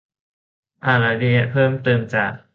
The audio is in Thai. อ่านรายละเอียดเพิ่มเติมจาก